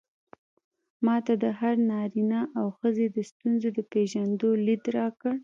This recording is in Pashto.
ما ته د هر نارينه او ښځې د ستونزو د پېژندو ليد راکړ.